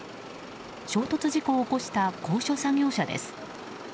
衝突事故を起こした高所作業車です。